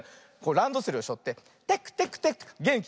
ランドセルをしょってテクテクテクってげんきに。